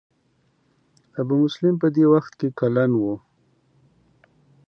ابو مسلم په دې وخت کې کلن و.